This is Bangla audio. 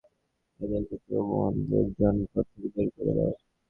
উত্তরে তার সম্প্রদায় শুধু বলল, এদেরকে তোমাদের জনপদ থেকে বের করে দাও।